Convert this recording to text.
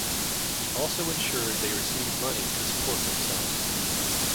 He also ensured they received money to support themselves.